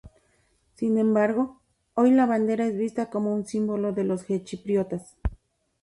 Sin embargo, hoy la bandera es vista como un símbolo de los grecochipriotas.